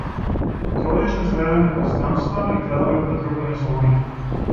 Ќе одиш низ ледени пространства и градови претрупани со луѓе.